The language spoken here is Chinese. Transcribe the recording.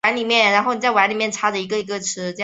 较知名的校友有吴峥。